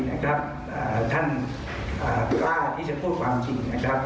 ในการเป็นการปรับภูมิช่วยคำเรียกรัฐบาลนะครับ